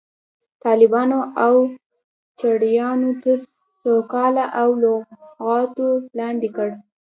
طالبانو او چړیانو تر سوکانو او لغتو لاندې کړ.